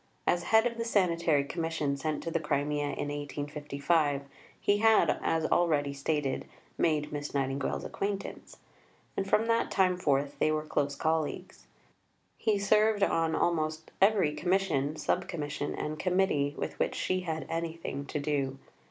As head of the Sanitary Commission sent to the Crimea in 1855, he had, as already stated, made Miss Nightingale's acquaintance, and from that time forth they were close colleagues. He served on almost every Commission, Sub Commission, and Committee with which she had anything to do.